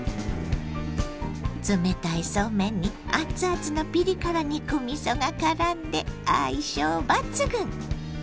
冷たいそうめんに熱々のピリ辛肉みそがからんで相性抜群！